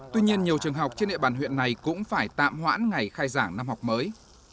tuy nhiên nhiều trường học trên địa bàn huyện này cũng phải tạm hoãn ngày khai giảng năm học mới